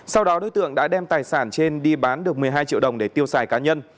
sau đó đối tượng đã đem tài sản trên đi bán được một mươi hai triệu đồng để tiêu xài cá nhân